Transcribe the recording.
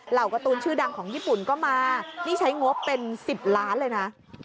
การ์ตูนชื่อดังของญี่ปุ่นก็มานี่ใช้งบเป็น๑๐ล้านเลยนะ